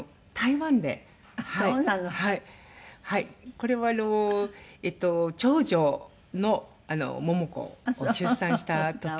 これはあの長女の桃子を出産した時です。